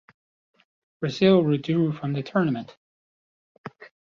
Brazil withdrew from the tournament.